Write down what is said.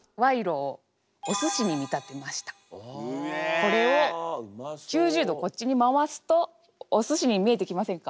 これを９０度こっちに回すとおすしに見えてきませんか？